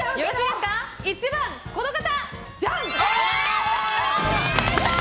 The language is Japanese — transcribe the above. １番、この方！